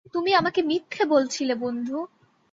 তুমি আমাকে মিথ্যে বলছিলে, বন্ধু।